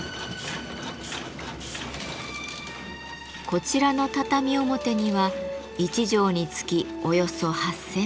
こちらの畳表には１畳につきおよそ８，０００本。